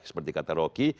seperti kata rocky